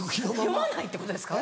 読まないってことですか？